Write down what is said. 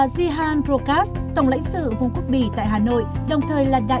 của quốc gia phát triển